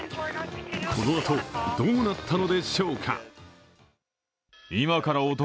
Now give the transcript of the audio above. このあと、どうなったのでしょうか？